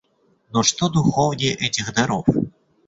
Но что духовнее этих даров?